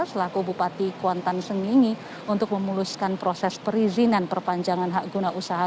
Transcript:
selaku bupati kuantan sengingi untuk memuluskan proses perizinan perpanjangan hak guna usaha